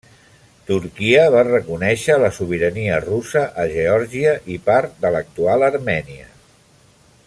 Turquia va reconèixer la sobirania russa a Geòrgia i part de l'actual Armènia.